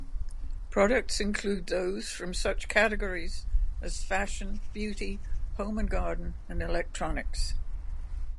Products include those from such categories as fashion, beauty, home and garden, and electronics.